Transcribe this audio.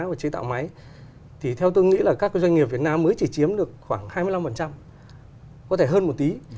và chế tạo máy thì theo tôi nghĩ là các doanh nghiệp việt nam mới chỉ chiếm được khoảng hai mươi năm có thể hơn một tí